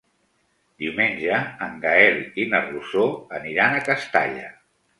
Diumenge en Gaël i na Rosó aniran a Castalla.